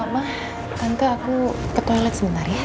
ma tante aku ke toilet sebentar ya